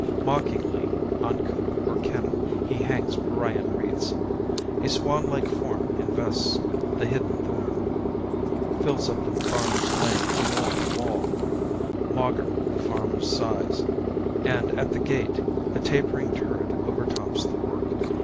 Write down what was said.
Mockingly, On coop or kennel he hangs Parian wreaths; A swan like form invests the hidden thorn; Fills up the farmer's lane from wall to wall, Maugre the farmer's sighs; and at the gate A tapering turret overtops the work.